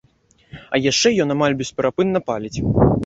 А яшчэ ён амаль бесперапынна паліць.